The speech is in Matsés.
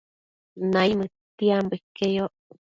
Naimëdtiambo iqueyoc